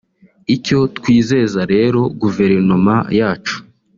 Icyo twizeza rero Guverinoma yacu